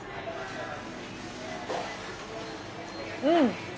うん！